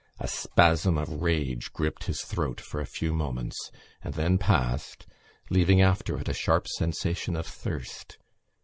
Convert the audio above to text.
A spasm of rage gripped his throat for a few moments and then passed, leaving after it a sharp sensation of thirst.